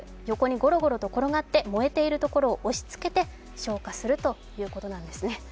横へごろごろと転がって燃えているところを押しつけて消火するということなんですね。